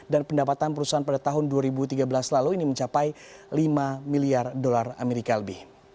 dan pendapatan perusahaan pada tahun dua ribu tiga belas lalu ini mencapai lima miliar dolar amerika lebih